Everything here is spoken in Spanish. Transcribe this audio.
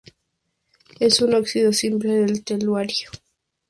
Es un óxido simple de telurio.